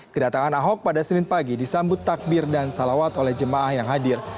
kedatangan ahok pada senin pagi disambut takbir dan salawat oleh jemaah yang hadir